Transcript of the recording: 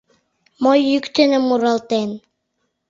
Мо йӱк дене муралтен